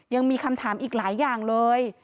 ยังมีคำถามอีกหลายอย่างเลย